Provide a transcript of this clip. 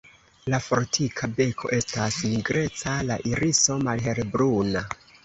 La fortika beko estas nigreca, la iriso malhelbruna.